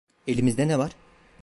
Elimizde ne var?